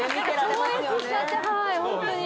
超越しちゃってはいホントに。